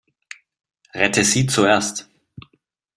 Rette sie zuerst!